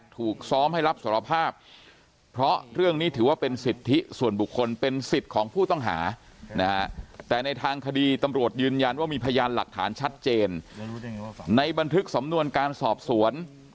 แต่ในทางคดีตำรวจยืนยันว่ามีพญานหลักฐานชัดเจนใด้บรรทึกสำนวนการสอบสวน